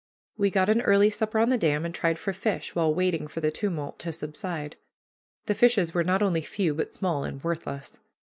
We got an early supper on the dam and tried for fish, while waiting for the tumult to subside. The fishes were not only few, but small and worthless.